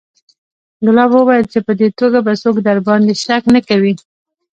ګلاب وويل چې په دې توګه به څوک درباندې شک نه کوي.